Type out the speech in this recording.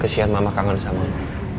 kesian mama kangen sama lu